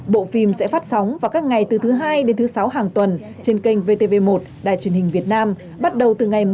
bộ phim sẽ phát sóng vào các ngày từ thứ hai đến thứ sáu hàng tuần trên kênh vtv một đài truyền hình việt nam bắt đầu từ ngày một tháng một